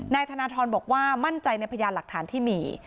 นายธนทรบอกว่ามั่นใจในพยานหลักฐานที่มี